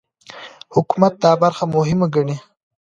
حکومت دا برخه مهمه ګڼي.